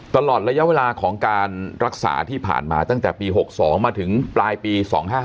ตลอดระยะเวลาของการรักษาที่ผ่านมาตั้งแต่ปี๖๒มาถึงปลายปี๒๕๕๙